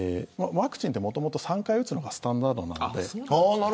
ワクチンってもともと３回打つのがスタンダードなので。